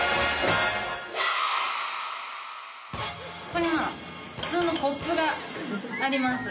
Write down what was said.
ここに普通のコップがあります。